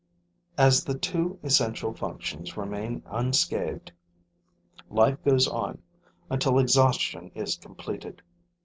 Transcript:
As the two essential functions remain unscathed, life goes on until exhaustion is completed.